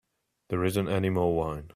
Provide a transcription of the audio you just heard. There isn't any more wine.